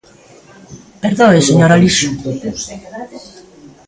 Perdoe, señor Alixo.